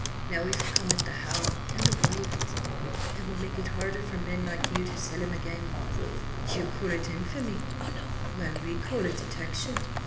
Now we've come at the how and the why of it! And we'll make it harder for men like you to sell 'em again! Yo call it infamy? well, we call it detection."